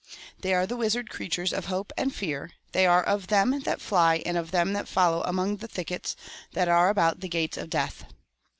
They are the wizard creatures of hope and fear, they are of them that fly and of them that follow among the thickets that are about the Gates of Death.